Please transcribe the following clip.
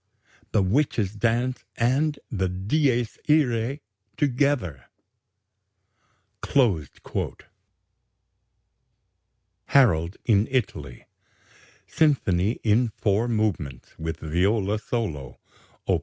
The witches' dance and the Dies iræ together." "HAROLD IN ITALY" SYMPHONY IN FOUR MOVEMENTS, WITH VIOLA SOLO: Op.